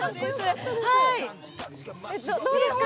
どうですか？